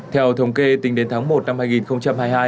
theo thống kê tính đến tháng một năm hai nghìn hai mươi hai